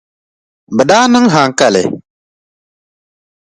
Bɛ daa niŋ haŋkali.